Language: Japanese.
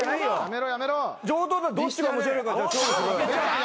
上等だどっちが面白いか勝負しろよ。